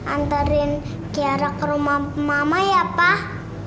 antarin diarak ke rumah mama ya pak